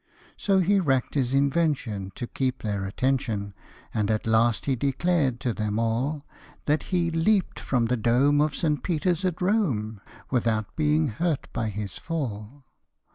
So he rack'd his invention, to keep their attention, And at last he declar'd to them all That he leap'd from the dome of St. Peter's at Rome, Without being hurt by his fall.